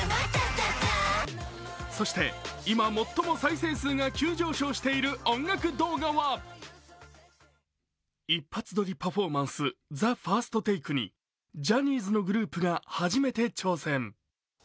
そして、今最も再生数が急上昇している音楽動画は一発撮りパフォーマンス「ＴＨＥＦＩＲＳＴＴＡＫＥ」にジャニーズのグループが初めて挑戦。